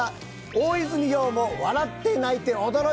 大泉洋も笑って泣いて驚いた！